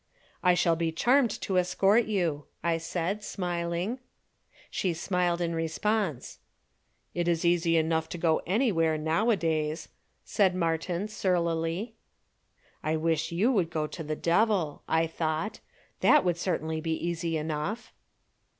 "I shall be charmed to escort you," I said, smiling. She smiled in response. "It is easy enough to go anywhere nowadays," said Martin surlily. "I wish you would go to the devil," I thought. "That would certainly be easy enough."